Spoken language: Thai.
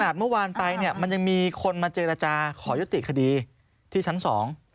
เมื่อวานไปเนี่ยมันยังมีคนมาเจรจาขอยุติคดีที่ชั้นสอง